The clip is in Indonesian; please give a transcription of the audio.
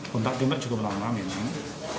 kontak kontak cukup lama memang